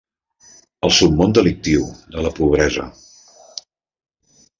El submon delictiu, de la pobresa.